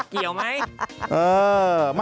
เกี่ยวไหม